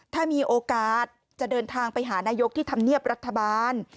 ถ้ามีโอกาสจะเดินทางไปหานายกที่ธรรมเนียบรัฐบาล